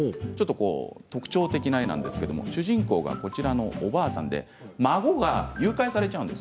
特徴的な絵なんですけど主人公がこちらのおばあさんで孫が誘拐されちゃうんです。